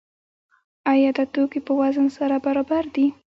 آیا دا توکي په وزن کې سره برابر دي؟